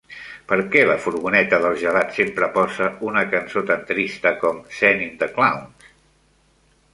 Per què la furgoneta dels gelats sempre posa una cançó tan trista com "Send in the clowns"?